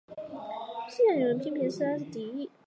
事件有人批评她是故意。